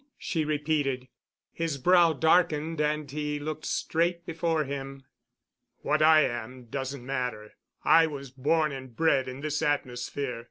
she repeated. His brow darkened and he looked straight before him. "What I am doesn't matter. I was born and bred in this atmosphere.